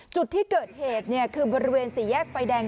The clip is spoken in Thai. จุดที่เกิดเหตุคือบริเวณสี่แยกไฟแดง